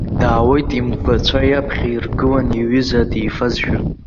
Даауеит, имгәацәа иаԥхьа иргыланы, иҩыза дифазшәа.